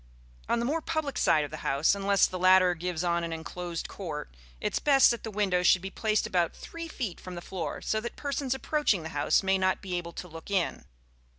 On the more public side of the house, unless the latter gives on an enclosed court, it is best that the windows should be placed about three feet from the floor, so that persons approaching the house may not be able to look in.